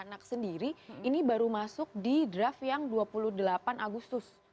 anak sendiri ini baru masuk di draft yang dua puluh delapan agustus